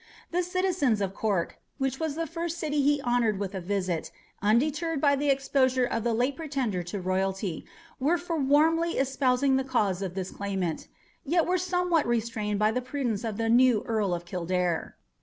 The citizens of Cork, which was the first city he honoured with a visit, undeterred by the exposure of the late pretender to royalty, were for warmly espousing the cause of this claimant, yet were somewhat restrained by the prudence of the new Earl of Kildare.